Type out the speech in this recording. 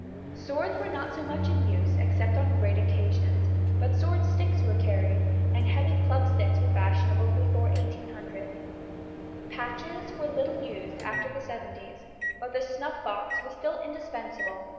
Swords were not so much in use except on great occasions, but sword sticks were carried, and heavy club sticks were fashionable before 1800. Patches were little used after the seventies, but the snuff box was still indispensable.